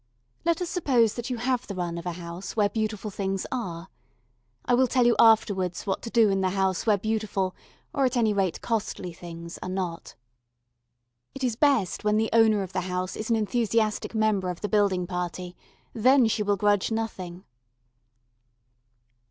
Let us suppose that you have the run of a house where beautiful things are. I will tell you afterwards what to do in the house where beautiful or at any rate costly things are not. It is best when the owner of the house is an enthusiastic member of the building party; then she will grudge nothing.